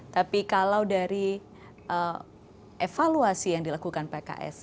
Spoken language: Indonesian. tapi kalau dari evaluasi yang dilakukan pks